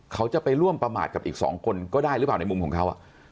เขาจะไปร่วมประมาทกับอีก๒คนก็ได้หรือเปล่าในมุมของเขา